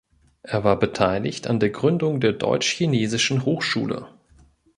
Er war beteiligt an der Gründung der deutsch-chinesischen Hochschule.